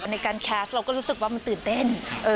ในการแคสต์เราก็รู้สึกว่ามันตื่นเต้น